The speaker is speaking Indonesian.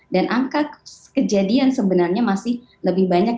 dan angka kejadian sebenarnya masih lebih tinggi